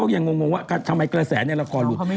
อย่า่งงวนี่กระแสเข้าไปแล้ว